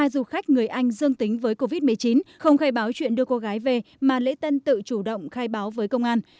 hai du khách người anh dương tính với covid một mươi chín không khai báo chuyện đưa cô gái về mà lễ tân tự chủ động khai báo với công an